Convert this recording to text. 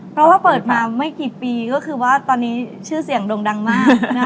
เพราะว่าเปิดมาไม่กี่ปีก็คือว่าตอนนี้ชื่อเสียงด่งดังมาก